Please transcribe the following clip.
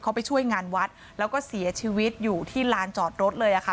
เขาไปช่วยงานวัดแล้วก็เสียชีวิตอยู่ที่ลานจอดรถเลยค่ะ